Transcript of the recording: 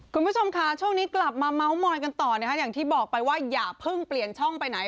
คุณผู้ชมค่ะช่วงนี้กลับมาเมาส์มอยกันต่อนะคะอย่างที่บอกไปว่าอย่าเพิ่งเปลี่ยนช่องไปไหน